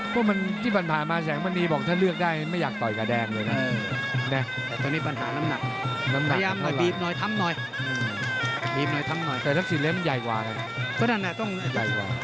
พี่ปะที่บรรถึงแสงมะนีบอกว่าถ้าเลือกได้มันก็ไม่อยากต่อยกับแดงเลยนะ